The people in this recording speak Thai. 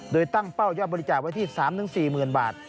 โดยตั้งเป้ายอดบริจาคไว้ที่๓๔๐๐๐บาท